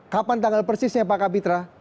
kapan tanggal persisnya pak kapitra